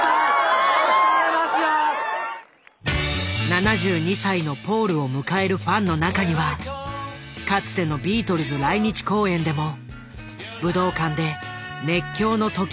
７２歳のポールを迎えるファンの中にはかつてのビートルズ来日公演でも武道館で熱狂の時を過ごした人々が。